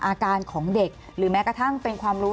อาการของเด็กหรือแม้กระทั่งเป็นความรู้